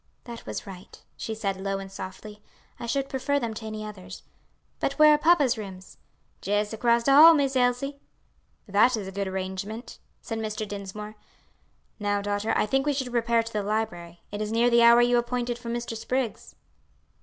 "That was right," she said, low and softly. "I should prefer them to any others. But where are papa's rooms?" "Jes' across de hall, Miss Elsie." "That is a good arrangement," said Mr. Dinsmore. "Now, daughter, I think we should repair to the library. It is near the hour you appointed for Mr. Spriggs."